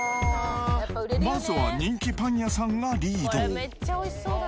まずは、人気パン屋さんがリード。